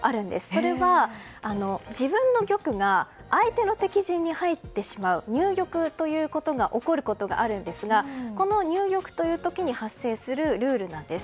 それは、自分の玉が相手の敵陣に入ってしまう入玉ということが起こることがあるんですがこの入玉という時に発生するルールなんです。